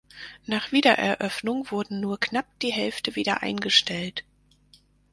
Nach Wiedereröffnung wurden nur knapp die Hälfte wieder eingestellt.